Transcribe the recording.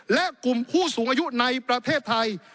และกลุ่มผู้สูงอายุในประเทศไทย